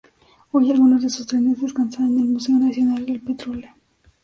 Hoy algunos de sus trenes descansan en el Museo Nacional del Petróleo.